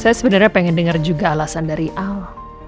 saya sebenernya pengen denger juga alasan dari al